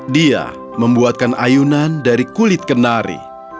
dia membuatkan ayunan dari kulit kenari